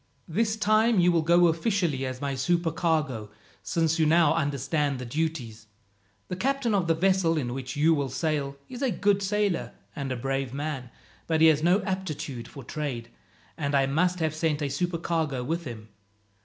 "This time you will go officially as my supercargo, since you now understand the duties. The captain of the vessel in which you will sail is a good sailor and a brave man, but he has no aptitude for trade, and I must have sent a supercargo with him.